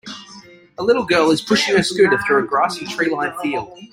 A little girl is pushing her scooter through a grassy tree lined field.